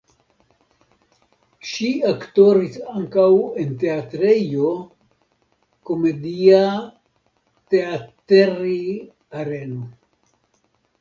Ŝi aktoris ankaŭ en teatrejo "Komediateatteri Areno".